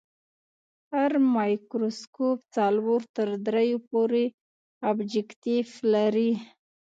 هر مایکروسکوپ څلور تر دریو پورې ابجکتیف لري.